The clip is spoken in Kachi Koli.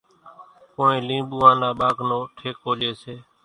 ڪونئين لينٻوُئان نا ٻاگھ نو ٺيڪو ليئيَ سي۔